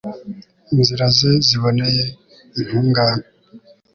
inzira ze zibonereye intungane